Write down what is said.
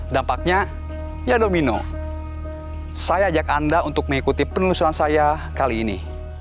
dampaknya ya domino saya ajak anda untuk mengikuti penelusuran saya kali ini